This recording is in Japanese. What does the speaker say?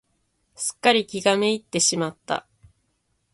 すっかり気が滅入ってしまった。